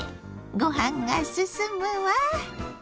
ご飯がすすむわ！